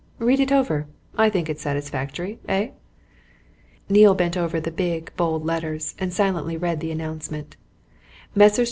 Read it over I think it's satisfactory, eh?" Neale bent over the big, bold letters, and silently read the announcement: "Messrs.